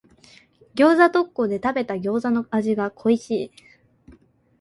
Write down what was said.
餃子特講で食べた餃子の味が恋しい。